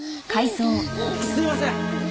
すいません！